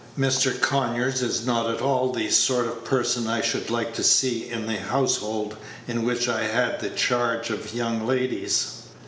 Mr. Conyers is not at all the sort of person I should like to see in a household in which I had the charge of young ladies."